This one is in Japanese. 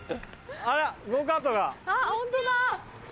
あっホントだ！